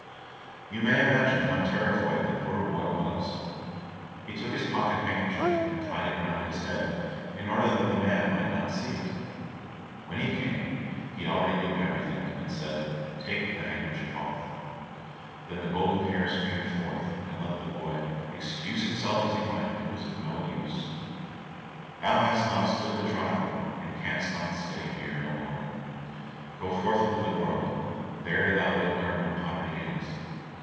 You may imagine how terrified the poor boy was! He took his pocket handkerchief and tied it round his head, in order that the man might not see it. When he came he already knew everything, and said, "Take the handkerchief off." Then the golden hair streamed forth, and let the boy excuse himself as he might, it was of no use. "Thou hast not stood the trial, and canst stay here no longer. Go forth into the world, there thou wilt learn what poverty is.